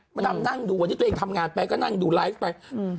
มาดำนั่งดูวันนี้ตัวเองทำงานไปก็นั่งดูไลฟ์ไปอืม